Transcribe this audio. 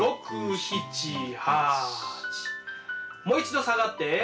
もう一度下がって。